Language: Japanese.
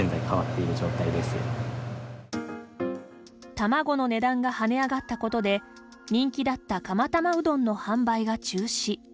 卵の値段が跳ね上がったことで人気だった釜玉うどんの販売が中止。